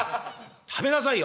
食べなさいよ」。